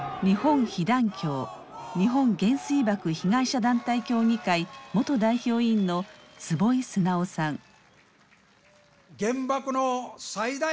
日本被団協日本原水爆被害者団体協議会元代表委員の坪井直さん。